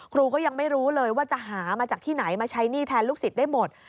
ครูก็ยังไม่รู้เลยว่าจะหามาจากที่ไหนมาใช้หนี้แทนลูกศิษย์ได้หมด